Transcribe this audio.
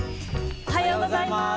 おはようございます！